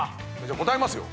答えますよ。